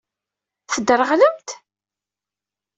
Tedreɣlemt?